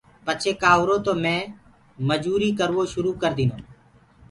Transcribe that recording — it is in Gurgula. پڇي ڪآ هُرو تو مي مجدٚري ڪروو شروٚ ڪر ديٚنو۔